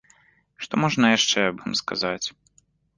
Што можна яшчэ аб ім сказаць?